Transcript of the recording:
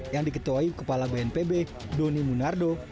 yang diketuai kepala bnpb doni munardo